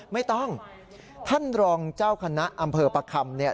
ไม่ต้องท่านรองเจ้าคณะอำเภอประคำเนี่ย